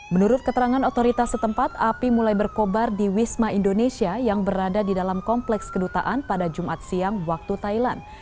menurut keterangan otoritas setempat api mulai berkobar di wisma indonesia yang berada di dalam kompleks kedutaan pada jumat siang waktu thailand